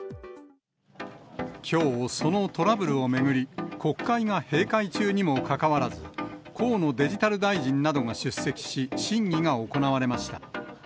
きょう、そのトラブルを巡り、国会が閉会中にもかかわらず、河野デジタル大臣などが出席し、審議が行われました。